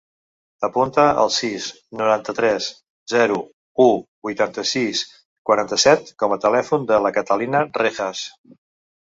Apunta el sis, noranta-tres, zero, u, vuitanta-sis, quaranta-set com a telèfon de la Catalina Rejas.